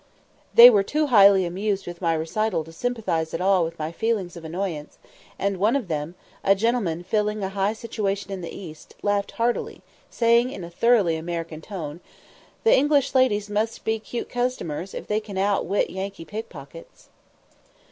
They were too highly amused with my recital to sympathise at all with my feelings of annoyance, and one of them, a gentleman filling a high situation in the East, laughed heartily, saying, in a thoroughly American tone, "The English ladies must be 'cute customers, if they can outwit Yankee pickpockets."